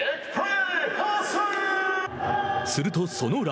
するとその裏。